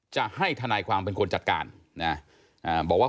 จะให้ทนายความเป็นคนจัดการนะบอกว่า